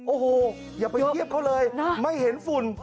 โอ้โหอย่าไปเทียบเขาเลยไม่เห็นฝุ่น